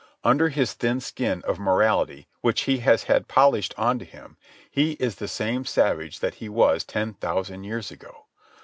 Under his thin skin of morality which he has had polished onto him, he is the same savage that he was ten thousand years ago.